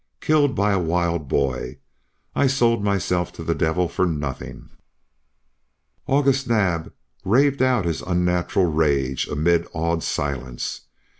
Killed by a wild boy! I sold myself to the devil for nothing!" August Naab raved out his unnatural rage amid awed silence.